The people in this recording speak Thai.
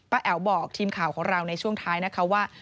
แอ๋วบอกทีมข่าวของเราในช่วงท้ายนะคะว่า